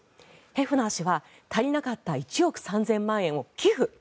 ヘフナー氏は足りなかった１億３０００万円を寄付。